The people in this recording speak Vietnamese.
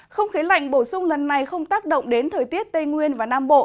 không khí lạnh bổ sung lần này không tác động đến thời tiết tây nguyên và nam bộ